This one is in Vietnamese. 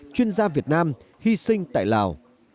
chuyên gia việt nam hy sinh tại lào